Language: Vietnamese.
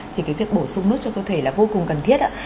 thì cái việc bổ sung nước cho cơ thể là vô cùng cần thiết